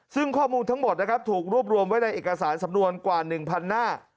ซึ่งข้อมูลทั้งหมดนะครับถูกรวบรวมไว้ในเอกสารสำนวนกว่า๑๐๐หน้า